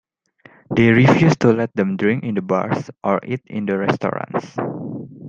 They refuse to let them drink in the bars or eat in the restaurants.